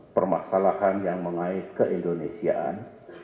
permasalahan yang mengait keindonesiaan